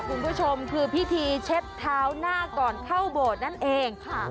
คุณผู้ชมคือพิธีเช็ดเท้าหน้าก่อนเข้าโบสถ์นั่นเองค่ะ